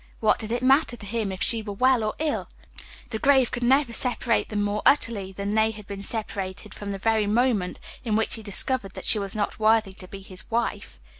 What did it matter to him if she were well or ill? The grave could never separate them more utterly than they had been separated from the very moment in which he discovered that she was not worthy to be his wife.